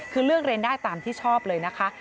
คือเลือกเรียนได้ตามที่ชอบเลยนะคะ